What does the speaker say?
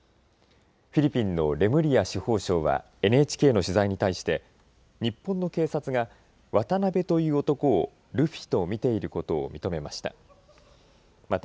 フィリピンのレムリア司法相はＮＨＫの取材に対して日本の警察がワタナベという男をルフィと見ていることを認めました。